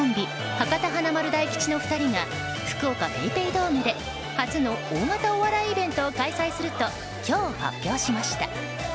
博多華丸・大吉の２人が福岡ＰａｙＰａｙドームで初の大型お笑いイベントを開催すると今日発表しました。